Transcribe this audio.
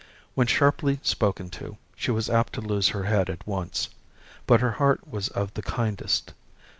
When sharply spoken to, she was apt to lose her head at once; but her heart was of the kindest.